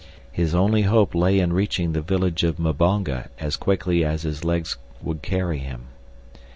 His only hope lay in reaching the village of Mbonga as quickly as his legs would carry him.